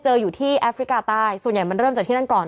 อยู่ที่แอฟริกาใต้ส่วนใหญ่มันเริ่มจากที่นั่นก่อน